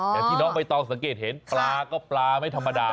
อย่างที่น้องใบตองสังเกตเห็นปลาก็ปลาไม่ธรรมดา